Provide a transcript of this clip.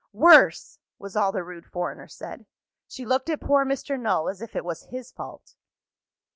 "Worse!" was all the rude foreigner said. She looked at poor Mr. Null, as if it was his fault.